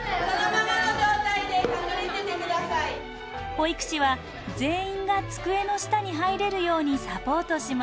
保育士は全員が机の下に入れるようにサポートします。